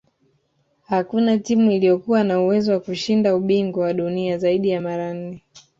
hakuna timu iliyokuwa na uwezo wa kushinda ubingwa wa dunia zaidi ya mara nne